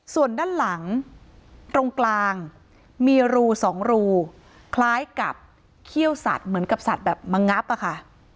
ส่วนด้านหลังตรงกลางมีรูสองรูคล้ายกับเขี้ยวสัตว์เหมือนกับสัตว์แบบมางับอะค่ะ